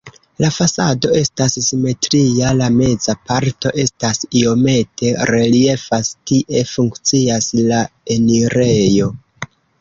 La fasado estas simetria, la meza parto estas iomete reliefas, tie funkcias la enirejo.